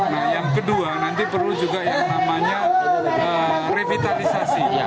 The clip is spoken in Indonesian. nah yang kedua nanti perlu juga yang namanya revitalisasi